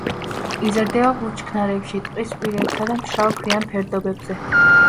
იზრდება ბუჩქნარებში, ტყის პირებსა და მშრალ ქვიან ფერდობებზე.